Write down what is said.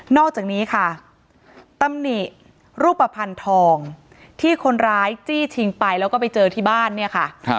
อกจากนี้ค่ะตำหนิรูปภัณฑ์ทองที่คนร้ายจี้ชิงไปแล้วก็ไปเจอที่บ้านเนี่ยค่ะ